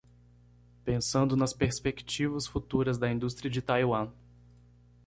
Pensando nas perspectivas futuras da indústria de Taiwan